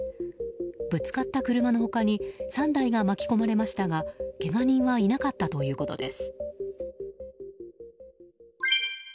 ぶつかった車の他に３台が巻き込まれましたがけが人はいなかったということです。